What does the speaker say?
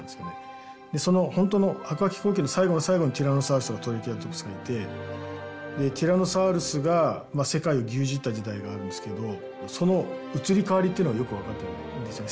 その本当の白亜紀後期の最後の最後にティラノサウルスやトリケラトプスがいてでティラノサウルスが世界を牛耳った時代があるんですけどその移り変わりっていうのがよく分かってないんですよね。